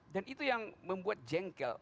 itu yang membuat jengkel